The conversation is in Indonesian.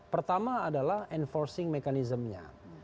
pertama adalah enforcing mekanismenya